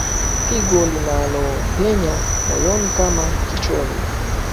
Pigo linalopenya moyoni kama kichomi